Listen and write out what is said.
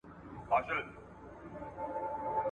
ککړ خواړه مه خوره